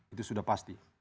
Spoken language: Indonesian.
itu sudah pasti